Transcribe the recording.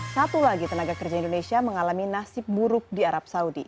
satu lagi tenaga kerja indonesia mengalami nasib buruk di arab saudi